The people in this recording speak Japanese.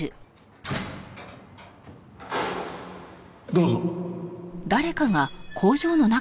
どうぞ。